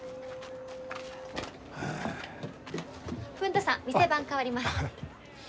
文太さん店番代わります。